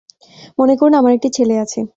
মনে করুন, আমার একটি ছেলে আছে।